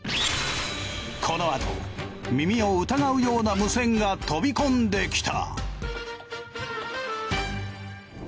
このあと耳を疑うような無線が飛び込んできた。